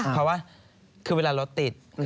เพราะว่าคือเวลารถติด